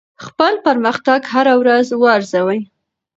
خپل پرمختګ هره ورځ وارزوئ.